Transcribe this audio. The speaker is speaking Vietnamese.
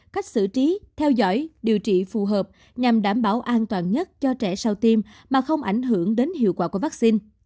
cách xử trí theo dõi điều trị phù hợp nhằm đảm bảo an toàn nhất cho trẻ sau tiêm mà không ảnh hưởng đến hiệu quả của vaccine